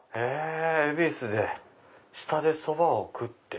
恵比寿で下でそばを食って。